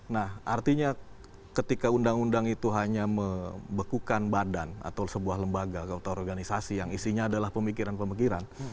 nah artinya ketika undang undang itu hanya membekukan badan atau sebuah lembaga atau organisasi yang isinya adalah pemikiran pemikiran